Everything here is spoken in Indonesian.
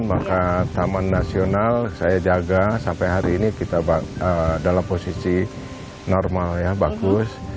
maka taman nasional saya jaga sampai hari ini kita dalam posisi normal ya bagus